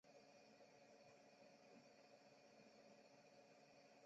此次推演暴露出了这个战役计划的一些漏洞。